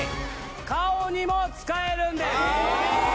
顔にも使えるんです・ええ